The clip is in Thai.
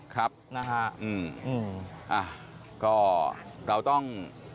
ครับอ่าก็เราต้อง